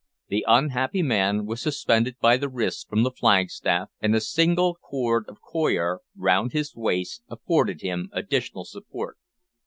The unhappy man was suspended by the wrists from the flag staff, and a single cord of coir round his waist afforded him additional support.